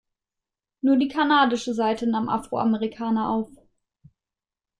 Nur die kanadische Seite nahm Afroamerikaner auf.